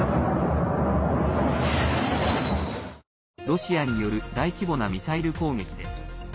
ロシアによる大規模なミサイル攻撃です。